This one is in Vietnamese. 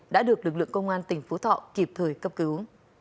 đã được lực lượng công an tỉnh phú thọ kịp thời cấp cứu